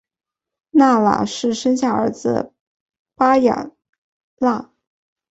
纳喇氏生下儿子巴雅喇。